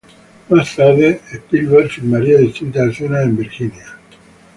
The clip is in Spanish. Más tarde, Spielberg filmaría distintas escenas en Virginia.